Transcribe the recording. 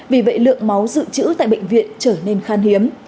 vì vậy lượng máu dự trữ tại bệnh viện trở nên khan hiếm